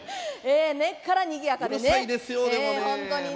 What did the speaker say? え根っからにぎやかでね。